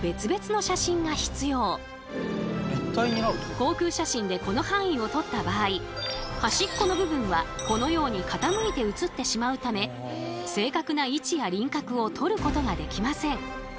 航空写真でこの範囲を撮った場合端っこの部分はこのように傾いて映ってしまうため正確な位置や輪郭をとることができません。